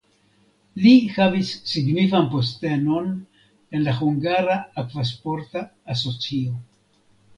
Li havis signifan postenon en la hungara akvasporta asocio.